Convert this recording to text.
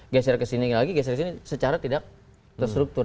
geser kesini lagi geser kesini secara tidak struktur